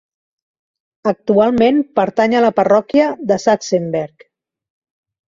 Actualment pertany a la parròquia de Sachsenberg.